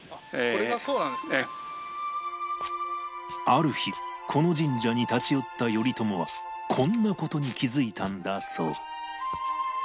ある日この神社に立ち寄った頼朝はこんな事に気づいたんだそう